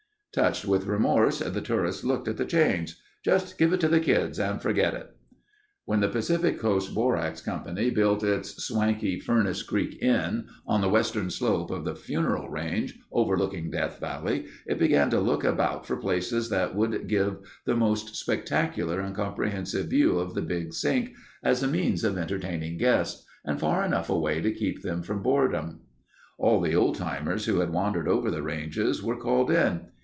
Touched with remorse, the tourist looked at the change. "Just give it to the kids and forget it." When the Pacific Coast Borax Company built its swanky Furnace Creek Inn on the western slope of the Funeral Range overlooking Death Valley, it began to look about for places that would give the most spectacular and comprehensive view of the Big Sink as a means of entertaining guests, and far enough away to keep them from boredom. All the old timers who had wandered over the ranges were called in.